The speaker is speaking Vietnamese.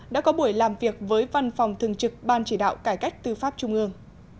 đã có buổi làm việc với văn phòng thường trực ban chỉ đạo cải cách tư pháp trung ương